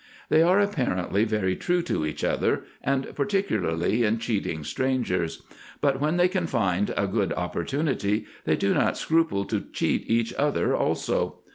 They are apparently very true to each other, and par ticularly in cheating strangers ; but when they can find a good opportunity, they do not scruple to cheat each other also.